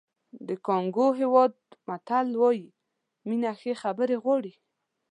د کانګو هېواد متل وایي مینه ښې خبرې غواړي.